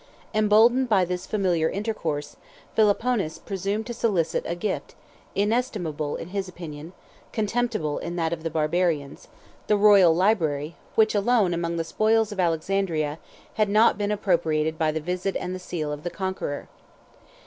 115 Emboldened by this familiar intercourse, Philoponus presumed to solicit a gift, inestimable in his opinion, contemptible in that of the Barbarians—the royal library, which alone, among the spoils of Alexandria, had not been appropriated by the visit and the seal of the conqueror.